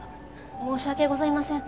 申し訳ございません。